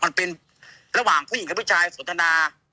มันเป็นระหว่างผู้หญิงกับผู้ชายสนทนา